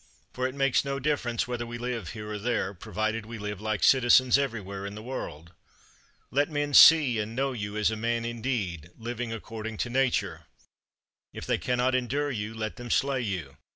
For it makes no difference whether we live here or there, provided we live like citizens everywhere in the world. Let men see and know you as a man indeed, living according to Nature. If they cannot endure you, let them slay you.